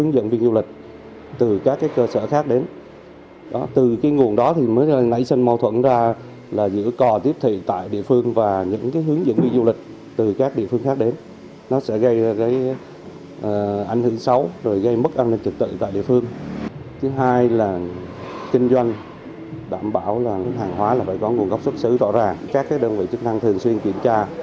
đảm bảo hàng hóa phải có nguồn gốc xuất xứ rõ ràng các đơn vị chức năng thường xuyên kiểm tra